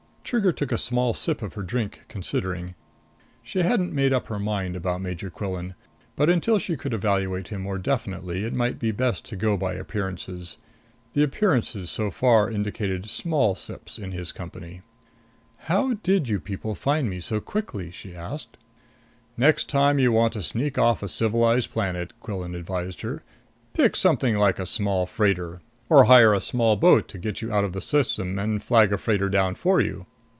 Trigger took a small sip of her drink, considering. She hadn't made up her mind about Major Quillan, but until she could evaluate him more definitely, it might be best to go by appearances. The appearances so far indicated small sips in his company. "How did you people find me so quickly?" she asked. "Next time you want to sneak off a civilized planet," Quillan advised her, "pick something like a small freighter. Or hire a small boat to get you out of the system and flag down a freighter for you.